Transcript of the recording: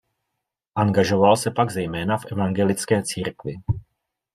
Angažoval se pak zejména v evangelické církvi.